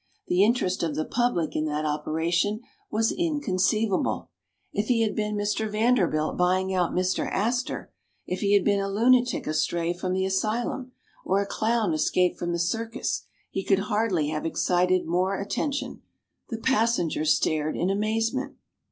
The interest of the public in that operation was inconceivable. If he had been Mr. Vanderbilt buying out Mr. Astor if he had been a lunatic astray from the asylum, or a clown escaped from the circus he could hardly have excited more attention. The passengers stared in amazement.